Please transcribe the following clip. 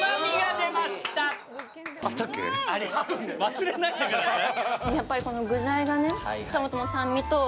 忘れないでください。